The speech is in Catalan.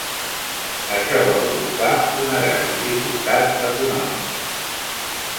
Això va provocar una gran dificultat econòmica.